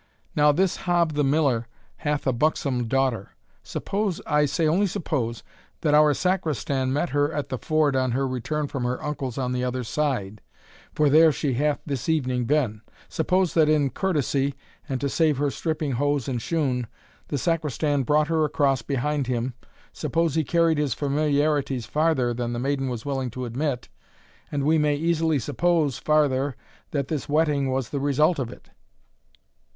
Now, this Hob the Miller hath a buxom daughter. Suppose I say only suppose that our Sacristan met her at the ford on her return from her uncle's on the other side, for there she hath this evening been suppose, that, in courtesy, and to save her stripping hose and shoon, the Sacristan brought her across behind him suppose he carried his familiarities farther than the maiden was willing to admit; and we may easily suppose, farther, that this wetting was the result of it."